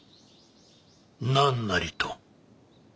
何なりと。